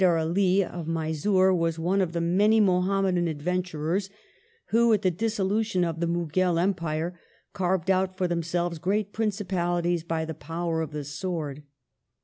Haidar Ali of Mysore was one of the many Muhammadan adventurers who at the dissolution of the Mughal Empire caived out for themselves gi'eat principalities by the power of the sword.